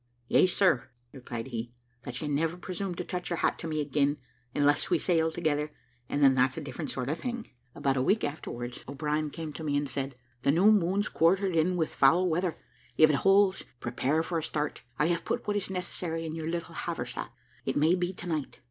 "Yes, sir," replied he, "that you never presume to touch your hat to me again, unless we sail together, and then that's a different sort of thing." About a week afterwards, O'Brien came to me, and said, "The new moon's quartered in with foul weather; if it holds, prepare for a start. I have put what is necessary in your little haversack; it may be tonight.